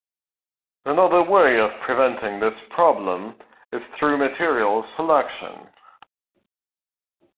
Another way of preventing this problem is through materials selection.